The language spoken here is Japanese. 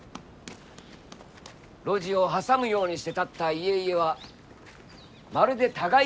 路地を挟むようにして建った家々はまるで互いを見合う顔のようです。